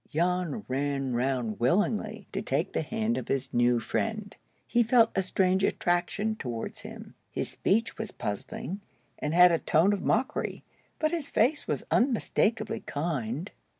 Jan ran round willingly to take the hand of his new friend. He felt a strange attraction towards him. His speech was puzzling and had a tone of mockery, but his face was unmistakably kind.